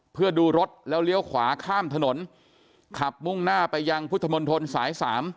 เพื่อดูรถแล้วเลี้ยวขวาข้ามถนนขับมุ่งหน้าไปยังพุทธมนตรสาย๓